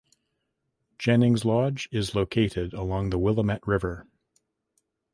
Jennings Lodge is located along the Willamette River.